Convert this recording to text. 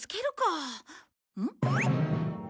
うん？